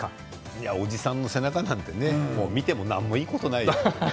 いや、おじさんの背中なんてね、見ても何もいいことないよ。